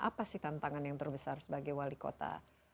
apa sih tantangan yang terbesar sebagai wali kota